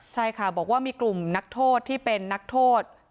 ใช่ค่ะบอกว่ามีกลุ่มนักโทษที่เป็นนักโทษ